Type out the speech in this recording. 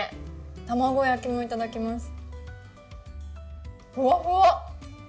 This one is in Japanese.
玉子焼きもいただきます。